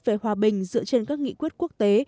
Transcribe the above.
về hòa bình dựa trên các nghị quyết quốc tế